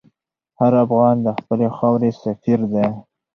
هر افغان د خپلې خاورې سفیر دی.